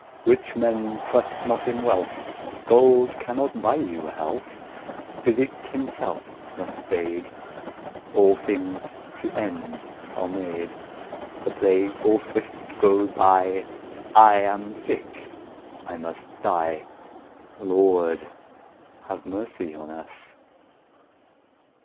Rich men, trust not in wealth, Gold cannot buy you health; Physic himself must fade; 10 All things to end are made; The plague full swift goes by; I am sick, I must die— Lord, have mercy on us!